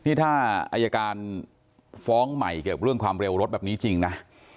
นี่ถ้าอายการฟ้องใหม่เกี่ยวกับเรื่องความเร็วรถแบบนี้จริงนะ